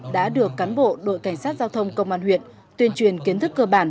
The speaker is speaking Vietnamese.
đã được cán bộ đội cảnh sát giao thông công an huyện tuyên truyền kiến thức cơ bản